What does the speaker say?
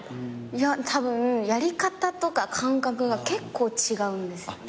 いやたぶんやり方とか感覚が結構違うんですよね。